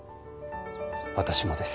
私もです。